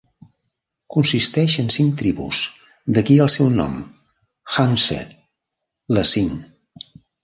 Consisteix en cinc tribus, d'aquí el seu nom "khamseh", "les cinc".